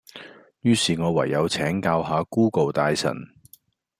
於是我唯有請教下 Google 大神